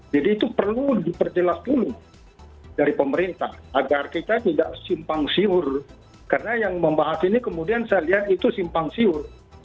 jadi itu perlu diperjelas dulu dari pemerintah agar kita tidak simpang siur karena yang membahas ini kemudian saya lihat itu simpang siur